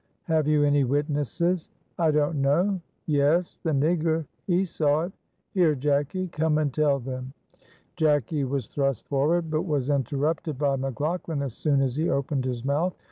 "Have you any witnesses?" "I don't know. Yes, the nigger; he saw it. Here, Jacky, come and tell them." Jacky was thrust forward, but was interrupted by McLaughlan as soon as he opened his mouth.